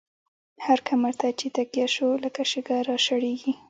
هر کمر ته چی تکيه شو، لکه شګه را شړيږی